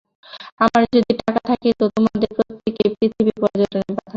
আমার যদি টাকা থাকিত, তোমাদের প্রত্যেককেই পৃথিবী-পর্যটনে পাঠাতাম।